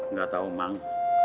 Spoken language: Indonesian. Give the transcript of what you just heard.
nggak tahu mang